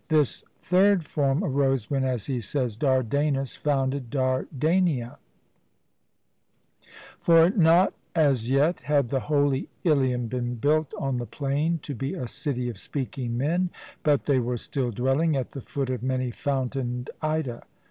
This third form arose when, as he says, Dardanus founded Dardania: 'For not as yet had the holy Ilium been built on the plain to be a city of speaking men; but they were still dwelling at the foot of many fountained Ida.'